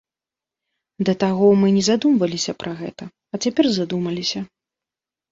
Да таго мы не задумваліся пра гэта, а цяпер задумаліся.